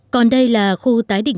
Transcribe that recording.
còn đây là khu tái đỉnh